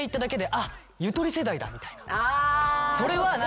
あ！